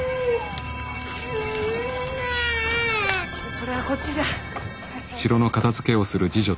それはこっちじゃ。